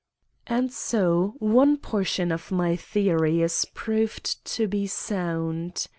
"And so one portion of my theory is proved to be sound.